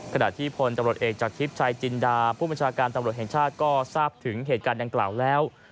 ขณะที่พลตำรวจเอกจากทิพย์ชายจินดาผู้บัญชาการตำรวจแห่งชาติก็ทราบถึงเหตุการณ์ดังกล่าวแล้ว